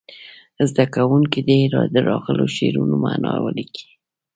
زده کوونکي دې د راغلو شعرونو معنا ولیکي.